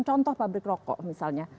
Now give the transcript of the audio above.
contoh pabrik rokok misalnya